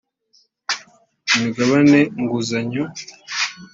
imigabane nguzanyo